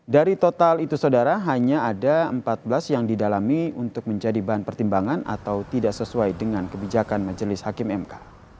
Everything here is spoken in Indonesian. dari total itu saudara hanya ada empat belas yang didalami untuk menjadi bahan pertimbangan atau tidak sesuai dengan kebijakan majelis hakim mk